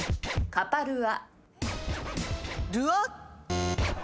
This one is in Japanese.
カパルア。